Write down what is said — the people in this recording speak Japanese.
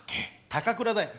高倉だよ。